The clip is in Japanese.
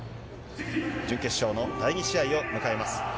準決勝の第２試合を迎えます。